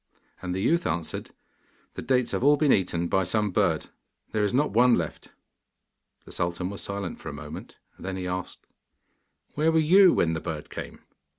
And the youth answered, 'The dates have all been eaten by some bird: there is not one left.' The sultan was silent for a moment: then he asked, 'Where were you when the bird came?